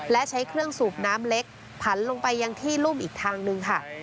และใช้เครื่องสูบน้ำเล็กผันลงไปยังที่รุ่มอีกทางหนึ่งค่ะ